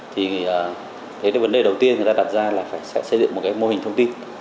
thì thế là vấn đề đầu tiên người ta đặt ra là phải xây dựng một mô hình thông tin